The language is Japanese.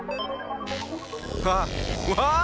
あっわあ！